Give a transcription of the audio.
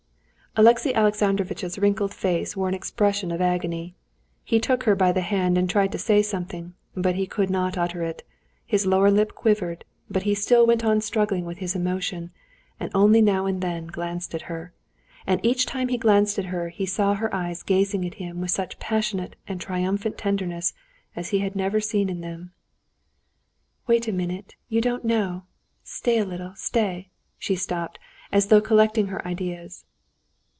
Alexey Alexandrovitch's wrinkled face wore an expression of agony; he took her by the hand and tried to say something, but he could not utter it; his lower lip quivered, but he still went on struggling with his emotion, and only now and then glanced at her. And each time he glanced at her, he saw her eyes gazing at him with such passionate and triumphant tenderness as he had never seen in them. "Wait a minute, you don't know ... stay a little, stay!..." She stopped, as though collecting her ideas.